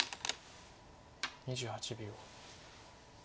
２８秒。